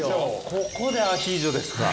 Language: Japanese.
ここでアヒージョですか。